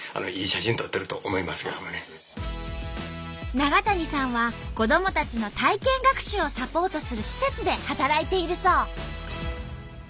ナガタニさんは子どもたちの体験学習をサポートする施設で働いているそう。